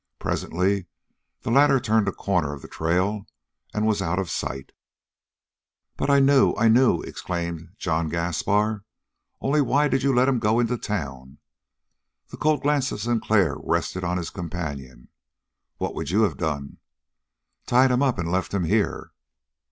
Presently the latter turned a corner of the trail and was out of sight. "But I knew I knew!" exclaimed John Gaspar. "Only, why did you let him go on into town?" The cold glance of Sinclair rested on his companion. "What would you have done?" "Tied him up and left him here."